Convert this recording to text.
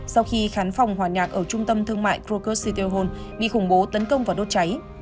sau khi khán phòng hòa nhạc ở trung tâm thương mại krokosytyrhon bị khủng bố tấn công và đốt cháy